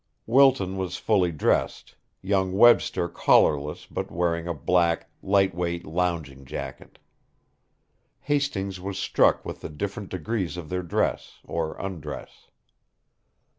Wilton was fully dressed, young Webster collarless but wearing a black, light weight lounging jacket. Hastings was struck with the different degrees of their dress, or undress.